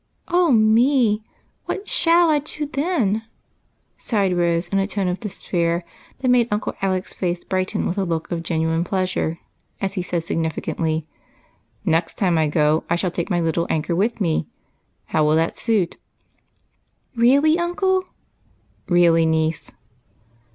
" Oh me ! what shall I do then ?" sighed Rose, in a tone of despair that made Uncle Alec's face brighten with a look of genuine pleasure as he said signifi cantly, —" Next time I go I shall take my little anchor with me. How will that suit ?"" Really, uncle ?"" Really, niece."